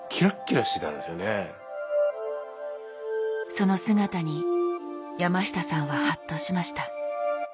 その姿に山下さんはハッとしました。